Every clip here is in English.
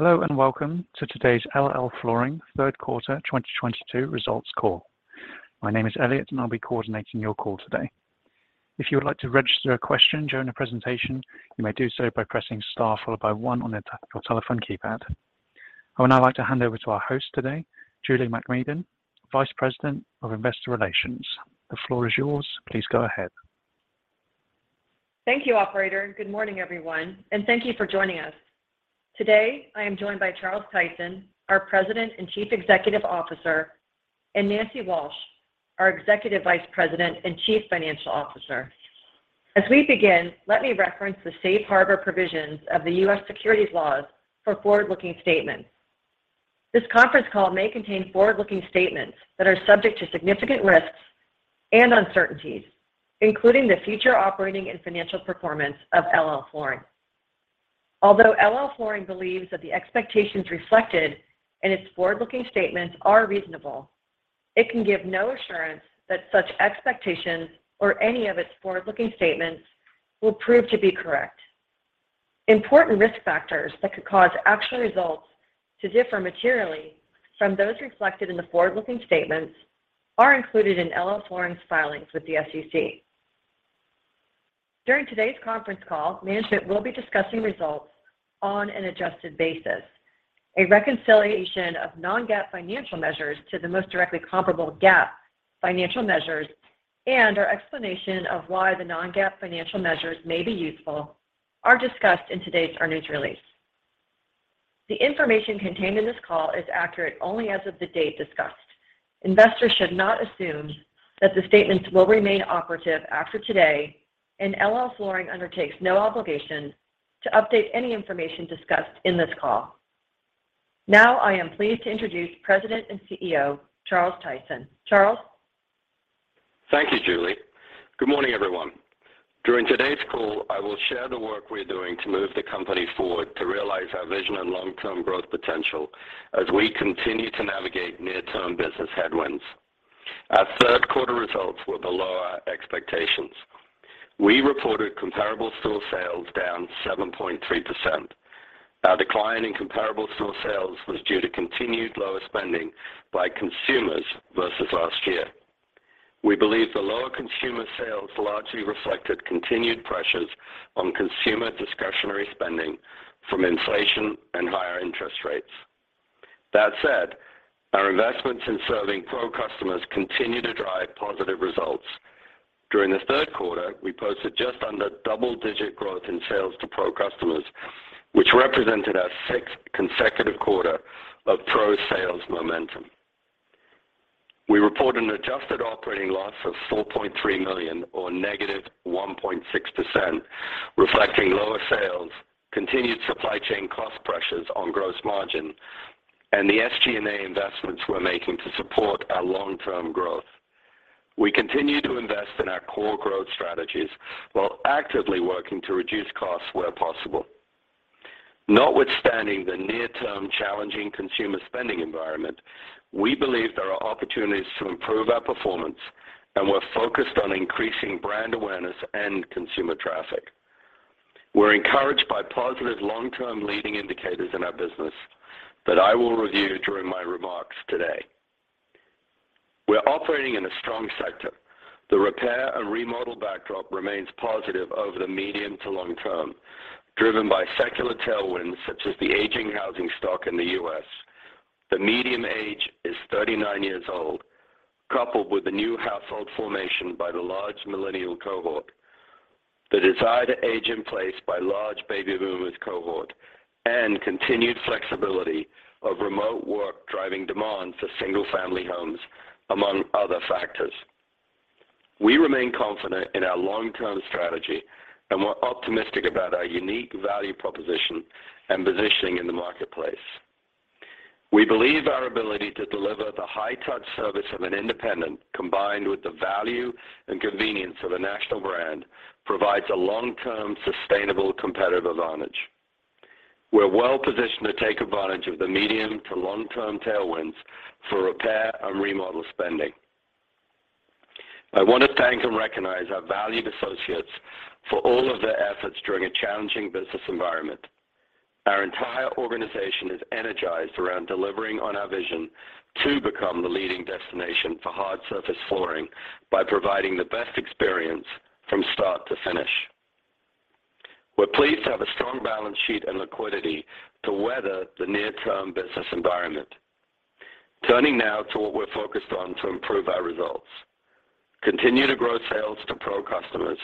Hello, and welcome to today's LL Flooring third quarter 2022 results call. My name is Elliot, and I'll be coordinating your call today. If you would like to register a question during the presentation, you may do so by pressing star followed by one on your telephone keypad. I would now like to hand over to our host today, Julie MacMedan, Vice President of Investor Relations. The floor is yours. Please go ahead. Thank you, operator, and good morning, everyone, and thank you for joining us. Today, I am joined by Charles Tyson, our President and Chief Executive Officer, and Nancy Walsh, our Executive Vice President and Chief Financial Officer. As we begin, let me reference the safe harbor provisions of the U.S. securities laws for forward-looking statements. This conference call may contain forward-looking statements that are subject to significant risks and uncertainties, including the future operating and financial performance of LL Flooring. Although LL Flooring believes that the expectations reflected in its forward-looking statements are reasonable, it can give no assurance that such expectations or any of its forward-looking statements will prove to be correct. Important risk factors that could cause actual results to differ materially from those reflected in the forward-looking statements are included in LL Flooring's filings with the SEC. During today's conference call, management will be discussing results on an adjusted basis. A reconciliation of non-GAAP financial measures to the most directly comparable GAAP financial measures and our explanation of why the non-GAAP financial measures may be useful are discussed in today's earnings release. The information contained in this call is accurate only as of the date discussed. Investors should not assume that the statements will remain operative after today, and LL Flooring undertakes no obligation to update any information discussed in this call. Now, I am pleased to introduce President and CEO Charles Tyson. Charles. Thank you, Julie. Good morning, everyone. During today's call, I will share the work we're doing to move the company forward to realize our vision and long-term growth potential as we continue to navigate near-term business headwinds. Our third-quarter results were below our expectations. We reported comparable store sales down 7.3%. Our decline in comparable store sales was due to continued lower spending by consumers versus last year. We believe the lower consumer sales largely reflected continued pressures on consumer discretionary spending from inflation and higher interest rates. That said, our investments in serving pro customers continue to drive positive results. During the third quarter, we posted just under double-digit growth in sales to pro customers, which represented our sixth consecutive quarter of pro sales momentum. We report an adjusted operating loss of $4.3 million or -1.6%, reflecting lower sales, continued supply chain cost pressures on gross margin, and the SG&A investments we're making to support our long-term growth. We continue to invest in our core growth strategies while actively working to reduce costs where possible. Not withstanding the near-term challenging consumer spending environment, we believe there are opportunities to improve our performance, and we're focused on increasing brand awareness and consumer traffic. We're encouraged by positive long-term leading indicators in our business that I will review during my remarks today. We're operating in a strong sector. The repair and remodel backdrop remains positive over the medium to long term, driven by secular tailwinds such as the aging housing stock in the U.S. The median age is 39 years old, coupled with the new household formation by the large millennial cohort, the desire to age in place by large baby boomers cohort, and continued flexibility of remote work driving demand for single-family homes, among other factors. We remain confident in our long-term strategy, and we're optimistic about our unique value proposition and positioning in the marketplace. We believe our ability to deliver the high-touch service of an independent, combined with the value and convenience of a national brand, provides a long-term, sustainable competitive advantage. We're well-positioned to take advantage of the medium to long-term tailwinds for repair and remodel spending. I want to thank and recognize our valued associates for all of their efforts during a challenging business environment. Our entire organization is energized around delivering on our vision to become the leading destination for hard-surface flooring by providing the best experience from start to finish. We're pleased to have a strong balance sheet and liquidity to weather the near-term business environment. Turning now to what we're focused on to improve our results. Continue to grow sales to pro customers,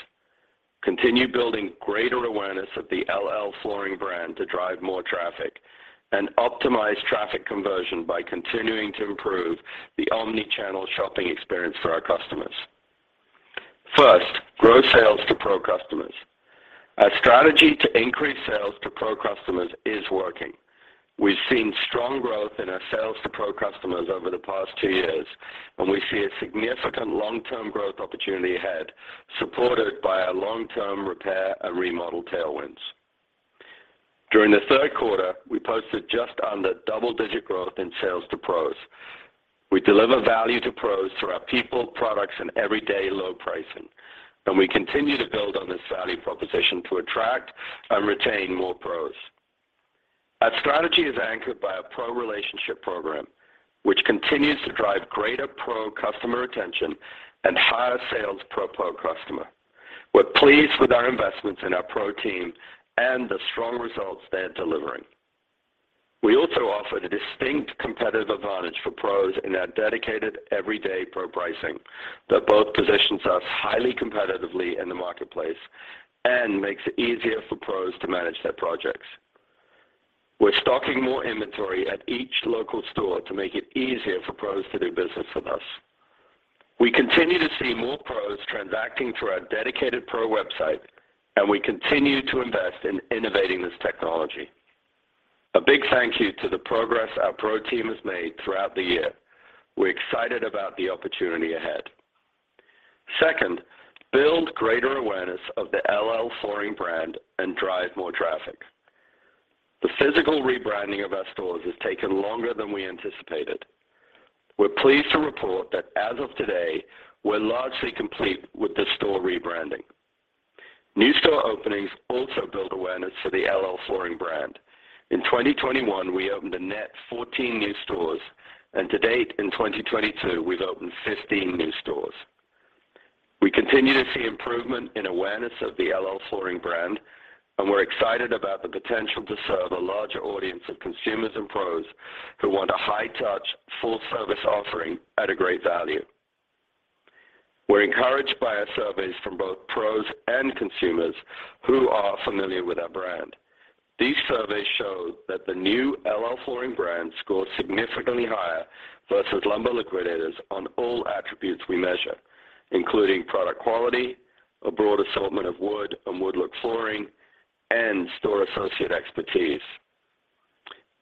continue building greater awareness of the LL Flooring brand to drive more traffic, and optimize traffic conversion by continuing to improve the omnichannel shopping experience for our customers. First, grow sales to pro customers. Our strategy to increase sales to pro customers is working. We've seen strong growth in our sales to pro customers over the past two years, and we see a significant long-term growth opportunity ahead, supported by our long-term repair and remodel tailwinds. During the third quarter, we posted just under double-digit growth in sales to pros. We deliver value to pros through our people, products, and everyday low pricing, and we continue to build on this value proposition to attract and retain more pros. Our strategy is anchored by a pro relationship program, which continues to drive greater pro customer retention and higher sales per pro customer. We're pleased with our investments in our pro team and the strong results they are delivering. We also offer the distinct competitive advantage for pros in our dedicated everyday pro pricing that both positions us highly competitively in the marketplace and makes it easier for pros to manage their projects. We're stocking more inventory at each local store to make it easier for pros to do business with us. We continue to see more pros transacting through our dedicated pro website, and we continue to invest in innovating this technology. A big thank you to the progress our pro team has made throughout the year. We're excited about the opportunity ahead. Second, build greater awareness of the LL Flooring brand and drive more traffic. The physical rebranding of our stores has taken longer than we anticipated. We're pleased to report that as of today, we're largely complete with the store rebranding. New store openings also build awareness for the LL Flooring brand. In 2021, we opened a net 14 new stores, and to date in 2022, we've opened 15 new stores. We continue to see improvement in awareness of the LL Flooring brand, and we're excited about the potential to serve a larger audience of consumers and pros who want a high-touch, full-service offering at a great value. We're encouraged by our surveys from both pros and consumers who are familiar with our brand. These surveys show that the new LL Flooring brand scores significantly higher versus Lumber Liquidators on all attributes we measure, including product quality, a broad assortment of wood and wood-look flooring, and store associate expertise.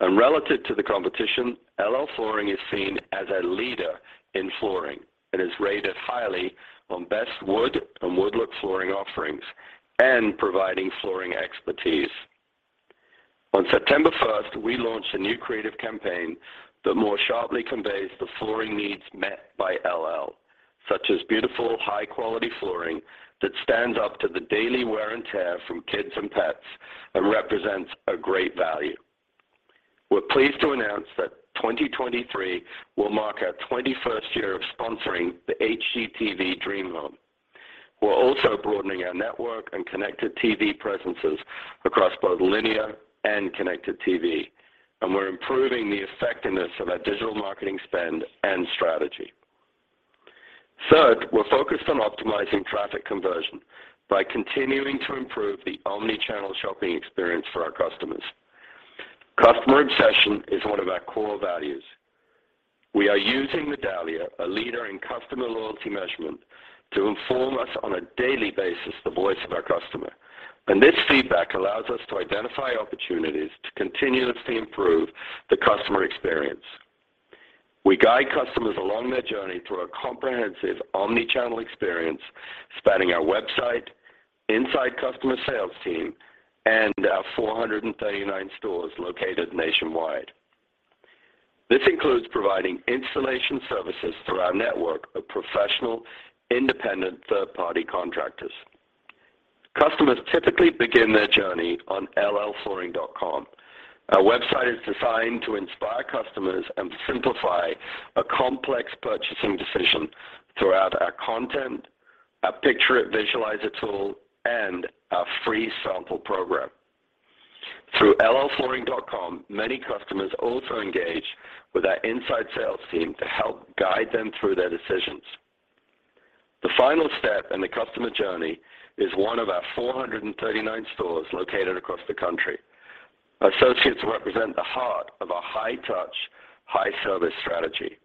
Relative to the competition, LL Flooring is seen as a leader in flooring and is rated highly on best wood and wood-look flooring offerings and providing flooring expertise. On September 1st, we launched a new creative campaign that more sharply conveys the flooring needs met by LL, such as beautiful, high-quality flooring that stands up to the daily wear and tear from kids and pets and represents a great value. We're pleased to announce that 2023 will mark our 21st year of sponsoring the HGTV Dream Home. We're also broadening our network and connected TV presences across both linear and connected TV, and we're improving the effectiveness of our digital marketing spend and strategy. Third, we're focused on optimizing traffic conversion by continuing to improve the omnichannel shopping experience for our customers. Customer obsession is one of our core values. We are using Medallia, a leader in customer loyalty measurement, to inform us on a daily basis the voice of our customer. This feedback allows us to identify opportunities to continuously improve the customer experience. We guide customers along their journey through our comprehensive omnichannel experience, spanning our website, inside customer sales team, and our 439 stores located nationwide. This includes providing installation services through our network of professional, independent third-party contractors. Customers typically begin their journey on llflooring.com. Our website is designed to inspire customers and simplify a complex purchasing decision throughout our content, our Picture It Visualizer tool, and our free sample program. Through llflooring.com, many customers also engage with our inside sales team to help guide them through their decisions. The final step in the customer journey is one of our 439 stores located across the country. Associates represent the heart of our high-touch, high-service strategy.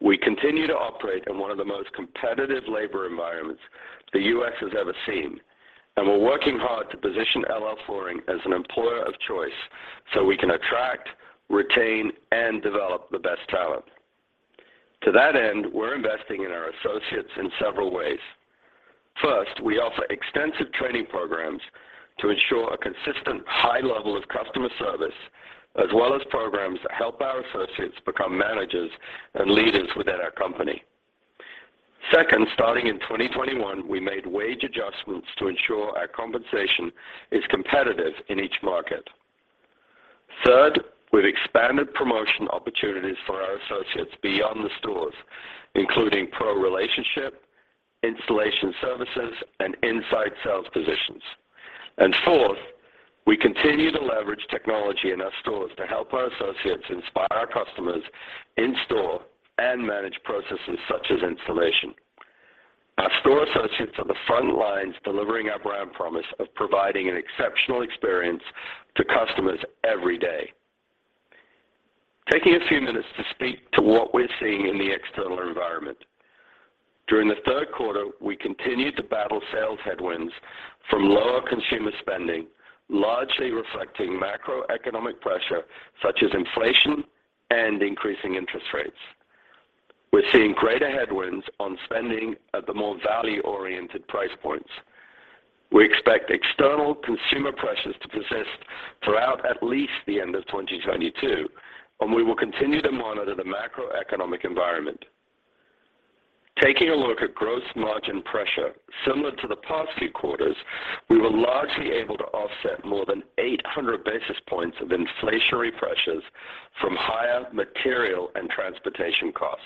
We continue to operate in one of the most competitive labor environments the U.S. has ever seen, and we're working hard to position LL Flooring as an employer of choice, so we can attract, retain, and develop the best talent. To that end, we're investing in our associates in several ways. First, we offer extensive training programs to ensure a consistent high level of customer service, as well as programs that help our associates become managers and leaders within our company. Second, starting in 2021, we made wage adjustments to ensure our compensation is competitive in each market. Third, we've expanded promotion opportunities for our associates beyond the stores, including pro relationship, installation services, and inside sales positions. Fourth, we continue to leverage technology in our stores to help our associates inspire our customers in store and manage processes such as installation. Our store associates are the front lines delivering our brand promise of providing an exceptional experience to customers every day. Taking a few minutes to speak to what we're seeing in the external environment. During the third quarter, we continued to battle sales headwinds from lower consumer spending, largely reflecting macroeconomic pressure such as inflation and increasing interest rates. We're seeing greater headwinds on spending at the more value-oriented price points. We expect external consumer pressures to persist throughout at least the end of 2022, and we will continue to monitor the macroeconomic environment. Taking a look at gross margin pressure, similar to the past few quarters, we were largely able to offset more than 800 basis points of inflationary pressures from higher material and transportation costs.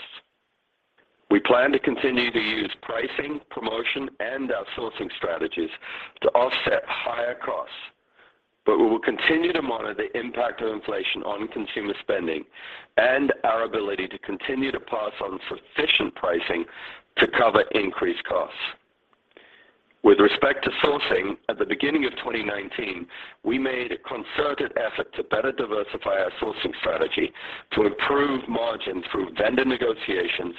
We plan to continue to use pricing, promotion, and outsourcing strategies to offset higher costs, but we will continue to monitor the impact of inflation on consumer spending and our ability to continue to pass on sufficient pricing to cover increased costs. With respect to sourcing, at the beginning of 2019, we made a concerted effort to better diversify our sourcing strategy to improve margins through vendor negotiations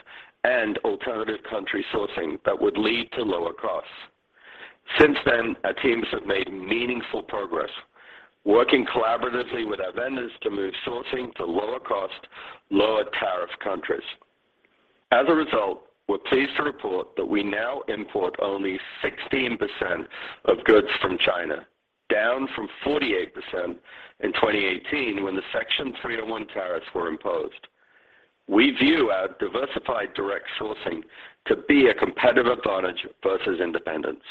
and alternative country sourcing that would lead to lower costs. Since then, our teams have made meaningful progress working collaboratively with our vendors to move sourcing to lower-cost, lower-tariff countries. As a result, we're pleased to report that we now import only 16% of goods from China, down from 48% in 2018 when the Section 301 tariffs were imposed. We view our diversified direct sourcing to be a competitive advantage versus independents.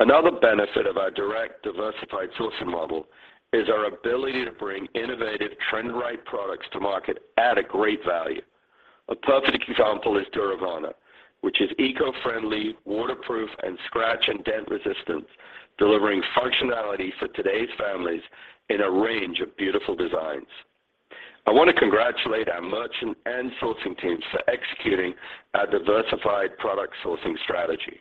Another benefit of our direct diversified sourcing model is our ability to bring innovative trend-right products to market at a great value. A perfect example is Duravana, which is eco-friendly, waterproof, and scratch and dent resistant, delivering functionality for today's families in a range of beautiful designs. I want to congratulate our merchant and sourcing teams for executing our diversified product sourcing strategy.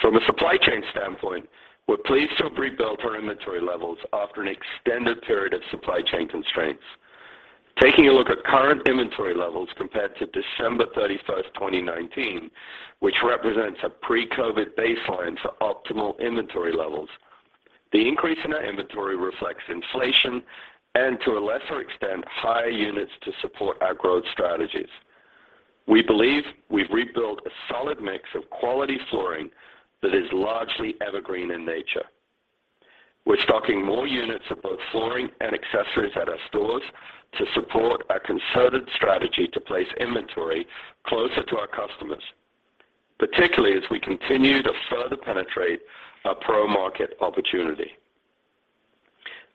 From a supply chain standpoint, we're pleased to have rebuilt our inventory levels after an extended period of supply chain constraints. Taking a look at current inventory levels compared to December 31st, 2019, which represents a pre-COVID baseline for optimal inventory levels, the increase in our inventory reflects inflation and to a lesser extent, higher units to support our growth strategies. We believe we've rebuilt a solid mix of quality flooring that is largely evergreen in nature. We're stocking more units of both flooring and accessories at our stores to support our concerted strategy to place inventory closer to our customers, particularly as we continue to further penetrate our pro market opportunity.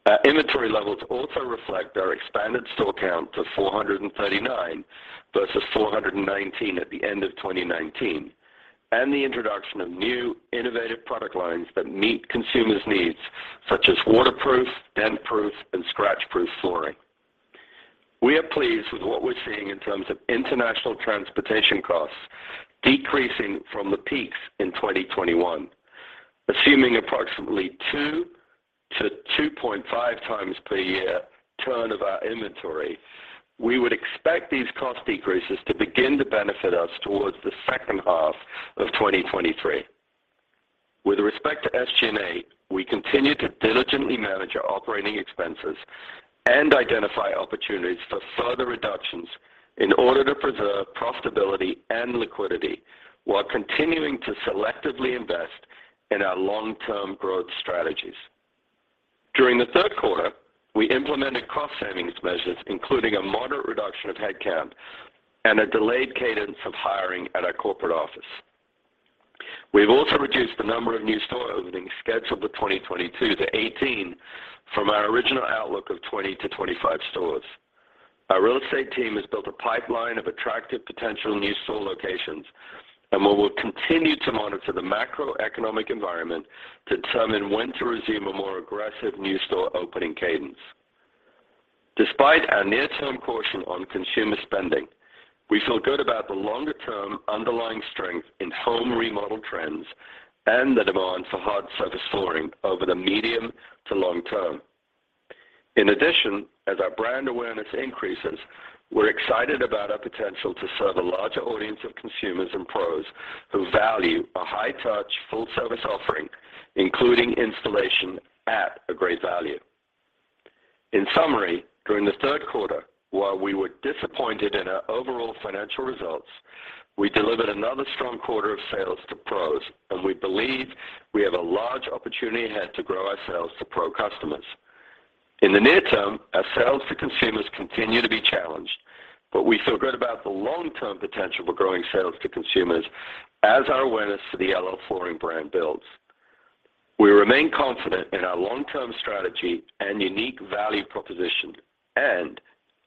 Our inventory levels also reflect our expanded store count to 439 versus 419 at the end of 2019, and the introduction of new innovative product lines that meet consumers' needs such as waterproof, dent-proof, and scratch-proof flooring. We are pleased with what we're seeing in terms of international transportation costs decreasing from the peaks in 2021. Assuming approximately 2x-2.5x per year turn of our inventory, we would expect these cost decreases to begin to benefit us towards the second half of 2023. With respect to SG&A, we continue to diligently manage our operating expenses and identify opportunities for further reductions in order to preserve profitability and liquidity while continuing to selectively invest in our long-term growth strategies. During the third quarter, we implemented cost savings measures, including a moderate reduction of headcount and a delayed cadence of hiring at our corporate office. We've also reduced the number of new store openings scheduled for 2022 to 18 from our original outlook of 20-25 stores. Our real estate team has built a pipeline of attractive potential new store locations, and we will continue to monitor the macroeconomic environment to determine when to resume a more aggressive new store opening cadence. Despite our near-term caution on consumer spending, we feel good about the longer-term underlying strength in home remodel trends and the demand for hard surface flooring over the medium to long term. In addition, as our brand awareness increases, we're excited about our potential to serve a larger audience of consumers and pros who value a high-touch, full-service offering, including installation at a great value. In summary, during the third quarter, while we were disappointed in our overall financial results, we delivered another strong quarter of sales to pros, and we believe we have a large opportunity ahead to grow our sales to pro customers. In the near term, our sales to consumers continue to be challenged, but we feel good about the long-term potential for growing sales to consumers as our awareness for the LL Flooring brand builds. We remain confident in our long-term strategy and unique value proposition, and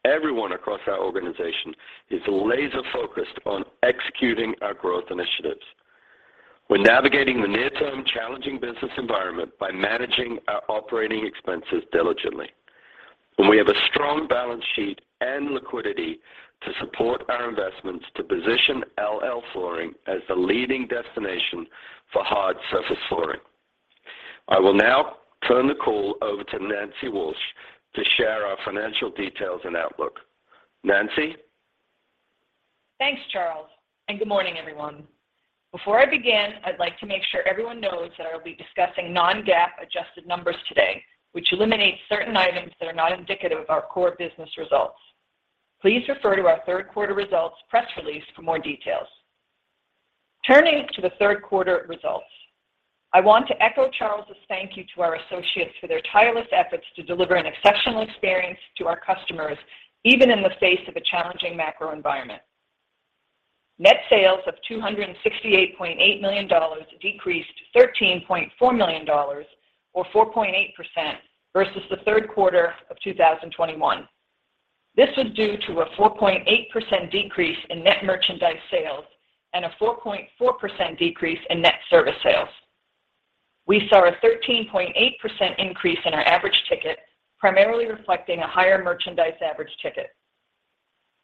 everyone across our organization is laser-focused on executing our growth initiatives. We're navigating the near-term challenging business environment by managing our operating expenses diligently. We have a strong balance sheet and liquidity to support our investments to position LL Flooring as the leading destination for hard-surface flooring. I will now turn the call over to Nancy Walsh to share our financial details and outlook. Nancy? Thanks, Charles, and good morning, everyone. Before I begin, I'd like to make sure everyone knows that I'll be discussing non-GAAP adjusted numbers today, which eliminate certain items that are not indicative of our core business results. Please refer to our third quarter results press release for more details. Turning to the third quarter results, I want to echo Charles' thank you to our associates for their tireless efforts to deliver an exceptional experience to our customers, even in the face of a challenging macro environment. Net sales of $268.8 million decreased $13.4 million or 4.8% versus the third quarter of 2021. This was due to a 4.8% decrease in net merchandise sales and a 4.4% decrease in net service sales. We saw a 13.8% increase in our average ticket, primarily reflecting a higher merchandise average ticket.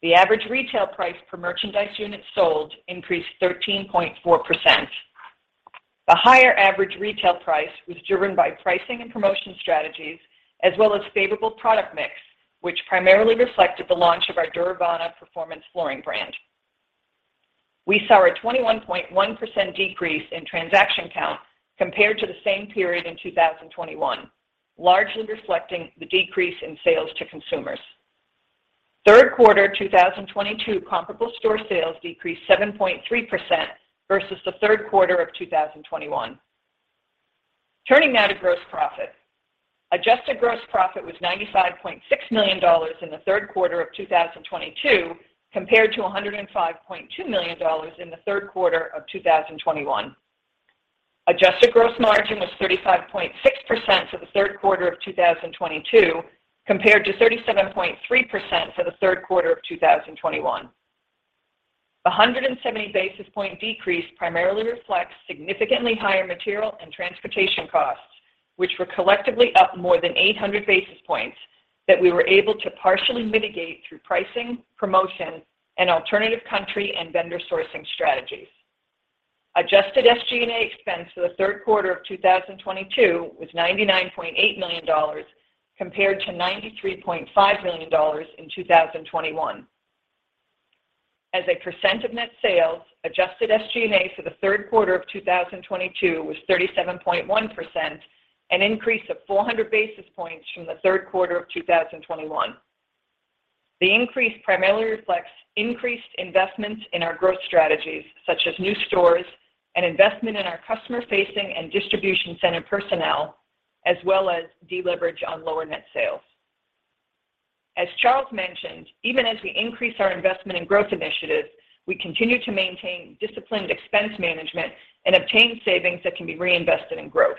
The average retail price per merchandise unit sold increased 13.4%. The higher average retail price was driven by pricing and promotion strategies as well as favorable product mix, which primarily reflected the launch of our Duravana performance flooring brand. We saw a 21.1% decrease in transaction count compared to the same period in 2021, largely reflecting the decrease in sales to consumers. Third quarter 2022 comparable store sales decreased 7.3% versus the third quarter of 2021. Turning now to gross profit. Adjusted gross profit was $95.6 million in the third quarter of 2022 compared to $105.2 million in the third quarter of 2021. Adjusted gross margin was 35.6% for the third quarter of 2022 compared to 37.3% for the third quarter of 2021. 170 basis point decrease primarily reflects significantly higher material and transportation costs, which were collectively up more than 800 basis points that we were able to partially mitigate through pricing, promotion, and alternative country and vendor sourcing strategies. Adjusted SG&A expense for the third quarter of 2022 was $99.8 million compared to $93.5 million in 2021. As a percent of net sales, adjusted SG&A for the third quarter of 2022 was 37.1%, an increase of 400 basis points from the third quarter of 2021. The increase primarily reflects increased investments in our growth strategies, such as new stores and investment in our customer-facing and distribution center personnel, as well as deleverage on lower net sales. As Charles mentioned, even as we increase our investment in growth initiatives, we continue to maintain disciplined expense management and obtain savings that can be reinvested in growth.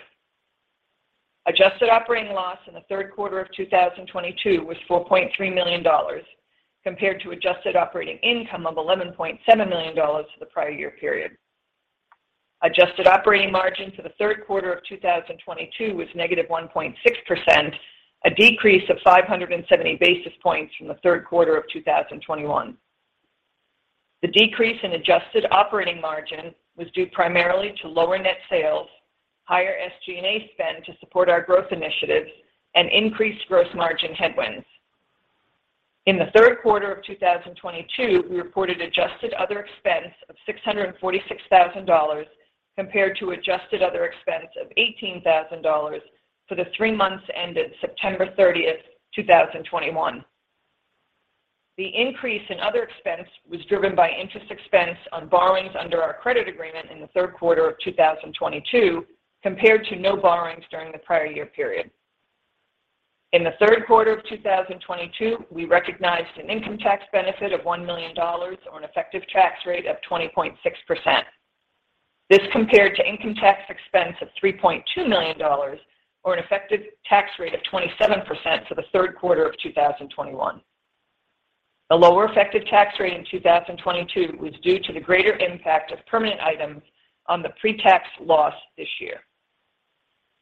Adjusted operating loss in the third quarter of 2022 was $4.3 million compared to adjusted operating income of $11.7 million for the prior year period. Adjusted operating margin for the third quarter of 2022 was -1.6%, a decrease of 570 basis points from the third quarter of 2021. The decrease in adjusted operating margin was due primarily to lower net sales, higher SG&A spend to support our growth initiatives, and increased gross margin headwinds. In the third quarter of 2022, we reported adjusted other expense of $646,000 compared to adjusted other expense of $18,000 for the three months ended September 30th, 2021. The increase in other expense was driven by interest expense on borrowings under our credit agreement in the third quarter of 2022, compared to no borrowings during the prior year period. In the third quarter of 2022, we recognized an income tax benefit of $1 million or an effective tax rate of 20.6%. This compared to income tax expense of $3.2 million or an effective tax rate of 27% for the third quarter of 2021. The lower effective tax rate in 2022 was due to the greater impact of permanent items on the pre-tax loss this year.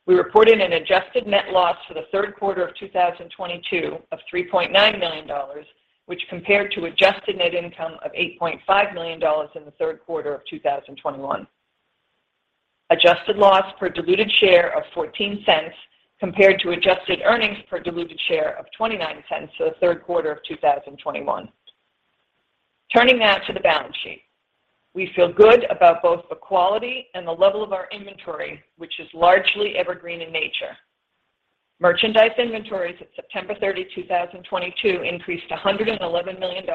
We reported an adjusted net loss for the third quarter of 2022 of $3.9 million, which compared to adjusted net income of $8.5 million in the third quarter of 2021. Adjusted loss per diluted share of $0.14 compared to adjusted earnings per diluted share of $0.29 for the third quarter of 2021. Turning now to the balance sheet. We feel good about both the quality and the level of our inventory, which is largely evergreen in nature. Merchandise inventories at September 30, 2022, increased to $111 million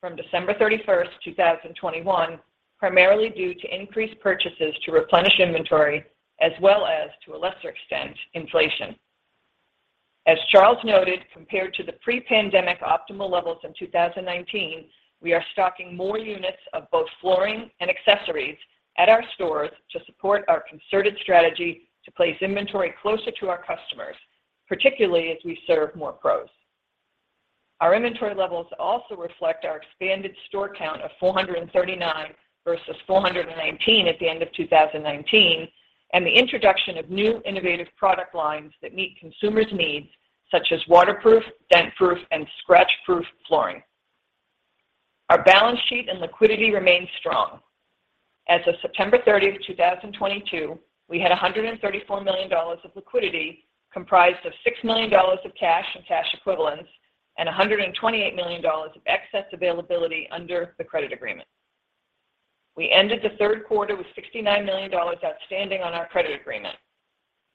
from December 31st, 2021, primarily due to increased purchases to replenish inventory as well as, to a lesser extent, inflation. As Charles noted, compared to the pre-pandemic optimal levels in 2019, we are stocking more units of both flooring and accessories at our stores to support our concerted strategy to place inventory closer to our customers, particularly as we serve more pros. Our inventory levels also reflect our expanded store count of 439 versus 419 at the end of 2019, and the introduction of new innovative product lines that meet consumers' needs, such as waterproof, dent-proof, and scratch-proof flooring. Our balance sheet and liquidity remain strong. As of September 30, 2022, we had $134 million of liquidity comprised of $6 million of cash and cash equivalents and $128 million of excess availability under the credit agreement. We ended the third quarter with $69 million outstanding on our credit agreement.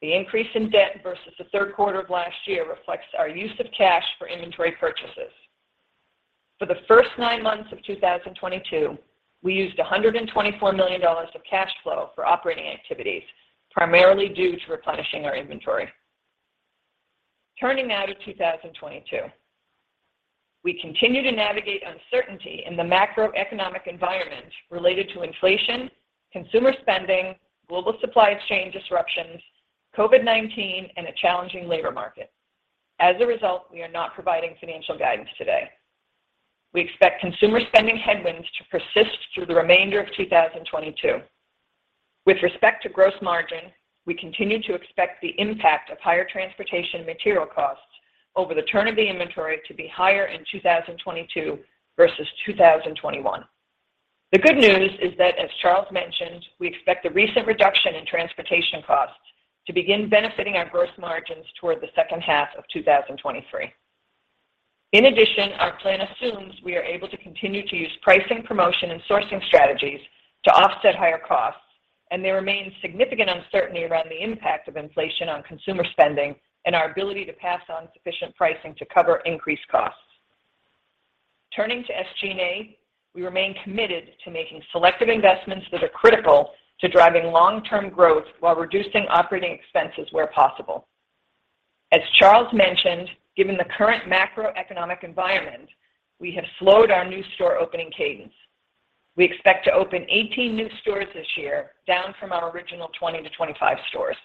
The increase in debt versus the third quarter of last year reflects our use of cash for inventory purchases. For the first nine months of 2022, we used $124 million of cash flow for operating activities, primarily due to replenishing our inventory. Turning now to 2022. We continue to navigate uncertainty in the macroeconomic environment related to inflation, consumer spending, global supply chain disruptions, COVID-19, and a challenging labor market. As a result, we are not providing financial guidance today. We expect consumer spending headwinds to persist through the remainder of 2022. With respect to gross margin, we continue to expect the impact of higher transportation material costs over the turnover of the inventory to be higher in 2022 versus 2021. The good news is that, as Charles mentioned, we expect the recent reduction in transportation costs to begin benefiting our gross margins toward the second half of 2023. In addition, our plan assumes we are able to continue to use pricing, promotion, and sourcing strategies to offset higher costs, and there remains significant uncertainty around the impact of inflation on consumer spending and our ability to pass on sufficient pricing to cover increased costs. Turning to SG&A, we remain committed to making selective investments that are critical to driving long-term growth while reducing operating expenses where possible. As Charles mentioned, given the current macroeconomic environment, we have slowed our new store opening cadence. We expect to open 18 new stores this year, down from our original 20-25 stores.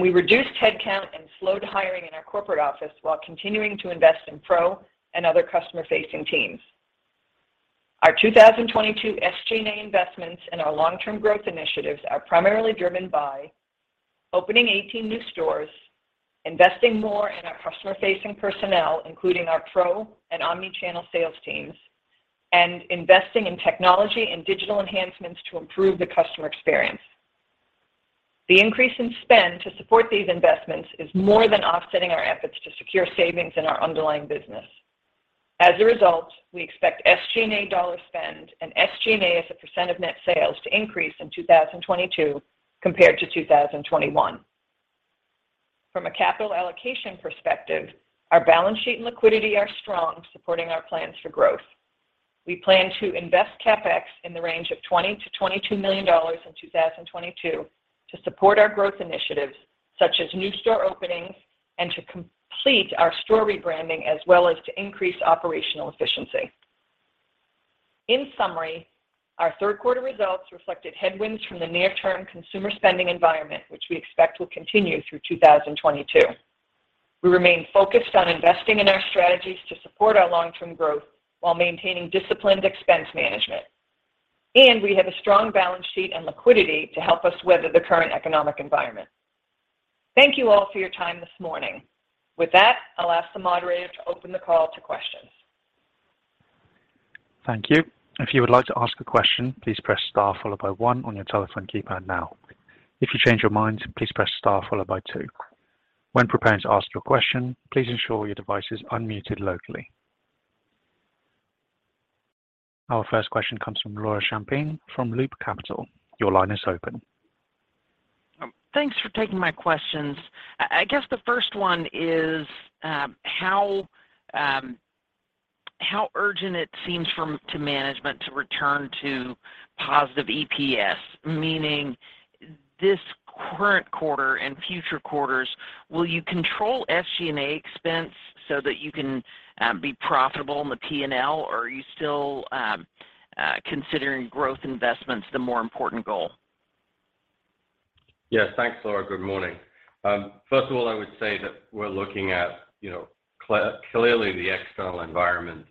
We reduced head count and slowed hiring in our corporate office while continuing to invest in pro and other customer-facing teams. Our 2022 SG&A investments and our long-term growth initiatives are primarily driven by opening 18 new stores, investing more in our customer-facing personnel, including our pro and omnichannel sales teams, and investing in technology and digital enhancements to improve the customer experience. The increase in spend to support these investments is more than offsetting our efforts to secure savings in our underlying business. As a result, we expect SG&A dollar spend and SG&A as a percent of net sales to increase in 2022 compared to 2021. From a capital allocation perspective, our balance sheet and liquidity are strong, supporting our plans for growth. We plan to invest CapEx in the range of $20 million-$22 million in 2022 to support our growth initiatives, such as new store openings and to complete our store rebranding, as well as to increase operational efficiency. In summary, our third-quarter results reflected headwinds from the near-term consumer spending environment, which we expect will continue through 2022. We remain focused on investing in our strategies to support our long-term growth while maintaining disciplined expense management. We have a strong balance sheet and liquidity to help us weather the current economic environment. Thank you all for your time this morning. With that, I'll ask the moderator to open the call to questions. Thank you. If you would like to ask a question, please press star followed by one on your telephone keypad now. If you change your mind, please press star followed by two. When preparing to ask your question, please ensure your device is unmuted locally. Our first question comes from Laura Champine from Loop Capital. Your line is open. Thanks for taking my questions. I guess the first one is, how urgent it seems to management to return to positive EPS, meaning this current quarter and future quarters, will you control SG&A expense so that you can be profitable in the P&L, or are you still considering growth investments the more important goal? Yes. Thanks, Laura. Good morning. First of all, I would say that we're looking at, you know, clearly the external environment,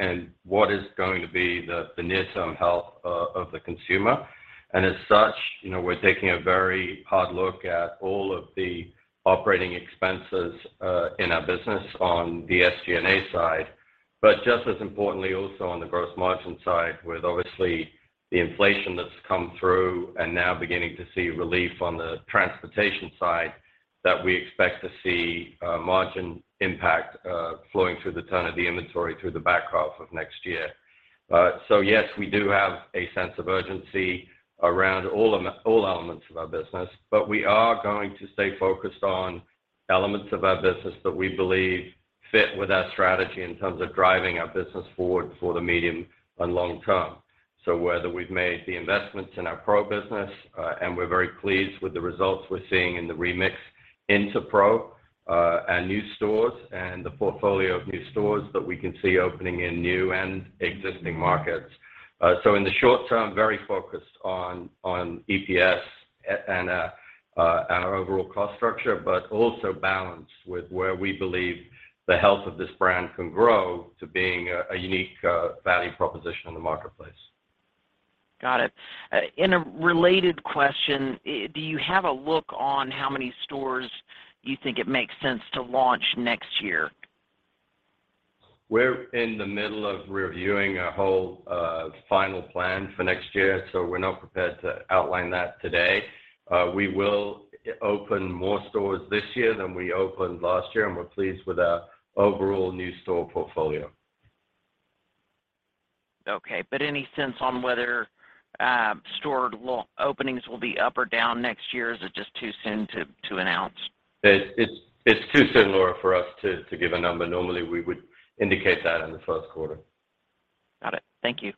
and what is going to be the near-term health of the consumer. As such, you know, we're taking a very hard look at all of the operating expenses in our business on the SG&A side, but just as importantly also on the gross margin side, with obviously the inflation that's come through and now beginning to see relief on the transportation side, that we expect to see margin impact flowing through the turn of the inventory through the back half of next year. Yes, we do have a sense of urgency around all elements of our business, but we are going to stay focused on elements of our business that we believe fit with our strategy in terms of driving our business forward for the medium and long term. Whether we've made the investments in our pro business, and we're very pleased with the results we're seeing in the remix into pro, and new stores and the portfolio of new stores that we can see opening in new and existing markets. In the short term, very focused on EPS and our overall cost structure, but also balanced with where we believe the health of this brand can grow to being a unique value proposition in the marketplace. Got it. In a related question, do you have a look on how many stores you think it makes sense to launch next year? We're in the middle of reviewing our whole, final plan for next year, so we're not prepared to outline that today. We will open more stores this year than we opened last year, and we're pleased with our overall new store portfolio. Okay, any sense on whether store openings will be up or down next year, or is it just too soon to announce? It's too soon, Laura, for us to give a number. Normally, we would indicate that in the first quarter. Got it. Thank you.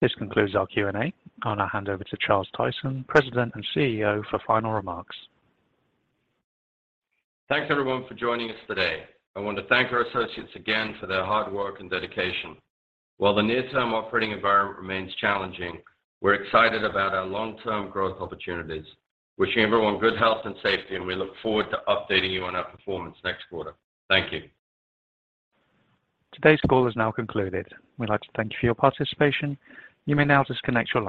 This concludes our Q&A. I'll now hand over to Charles Tyson, President and CEO, for final remarks. Thanks, everyone, for joining us today. I want to thank our associates again for their hard work and dedication. While the near-term operating environment remains challenging, we're excited about our long-term growth opportunities. Wishing everyone good health and safety, and we look forward to updating you on our performance next quarter. Thank you. Today's call is now concluded. We'd like to thank you for your participation. You may now disconnect your line.